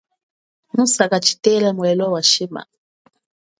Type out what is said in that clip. Musaka tshitela welo wa shima.